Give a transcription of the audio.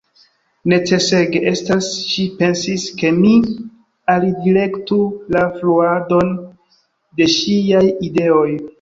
Necesege estas, ŝi pensis, ke mi alidirektu la fluadon de ŝiaj ideoj.